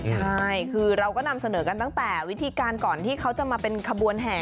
ใช่คือเราก็นำเสนอกันตั้งแต่วิธีการก่อนที่เขาจะมาเป็นขบวนแห่